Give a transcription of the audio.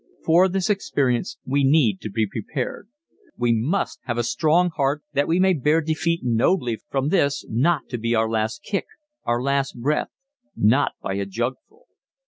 For this experience we need to be prepared. We must have a strong heart that we may bear defeat nobly from this is not to be our last kick our last breath not by a jugful!